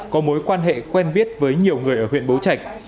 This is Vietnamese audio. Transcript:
có mối quan hệ quen biết với nhiều người ở huyện bố trạch